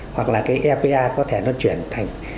hoặc là cái epa có thể nó chuyển thành